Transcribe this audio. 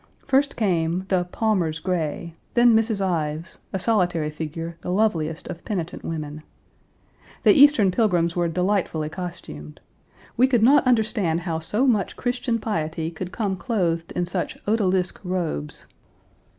First came the "Palmers Gray," then Mrs. Ives, a solitary figure, the loveliest of penitent women. The Eastern pilgrims were delightfully costumed; we could not understand how so much Christian piety could come clothed in such odalisque robes.